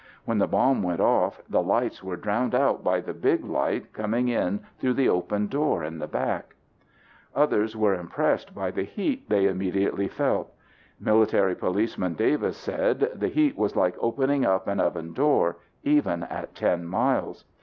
When the bomb went off, the lights were drowned out by the big light coming in through the open door in the back." Others were impressed by the heat they immediately felt. Military policeman Davis said, "The heat was like opening up an oven door, even at 10 miles."